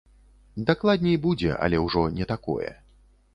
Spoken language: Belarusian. Дакладней будзе, але ўжо не такое.